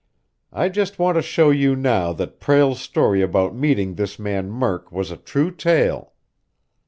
I just want to show you now that Prale's story about meeting this man Murk was a true tale.